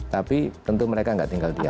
tapi tentu mereka nggak tinggal di sana